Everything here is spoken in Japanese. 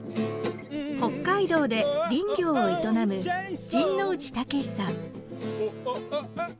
北海道で林業を営む陣内雄さん。